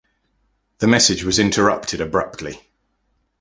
The message was interrupted abruptly.